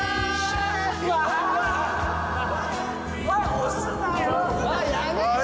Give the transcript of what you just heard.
押すなよ！